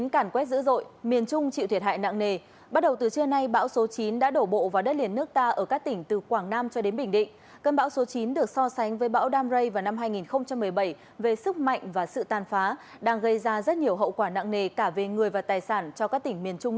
cảm ơn các bạn đã theo dõi